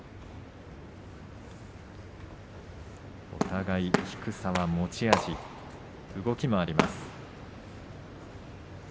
お互い低さは持ち味動きもあります。